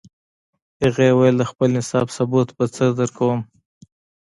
هغې ویل د خپل انصاف ثبوت به څه درکوم